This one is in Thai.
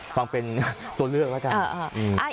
ฟังเป็นตัวเลือกแล้วกัน